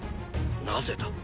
なぜだ？